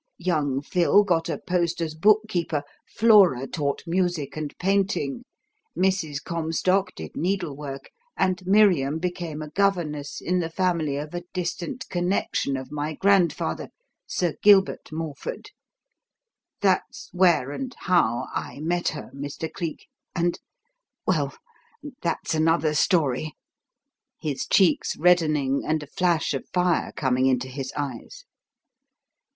Young Phil got a post as bookkeeper, Flora taught music and painting, Mrs. Comstock did needlework, and Miriam became a governess in the family of a distant connection of my grandfather, Sir Gilbert Morford. That's where and how I met her, Mr. Cleek, and Well, that's another story!" his cheeks reddening and a flash of fire coming into his eyes.